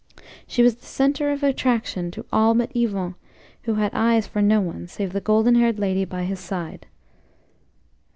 She was the centre of attraction to all but Yvon, who had eyes for no one save the golden haired lady by his side.